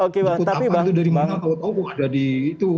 jemput apa itu dari mana kalau tahu kok ada di itu